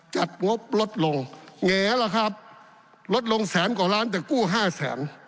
งบลดลงแง๋ล่ะครับลดลงแสนกว่าล้านแต่กู้ห้าแสน